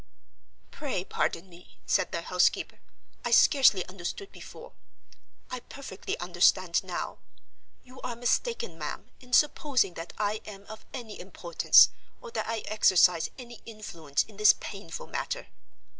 "Pray pardon me," said the housekeeper, "I scarcely understood before; I perfectly understand now. You are mistaken, ma'am, in supposing that I am of any importance, or that I exercise any influence in this painful matter.